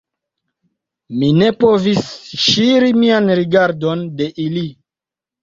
Mi ne povis ŝiri mian rigardon de ili.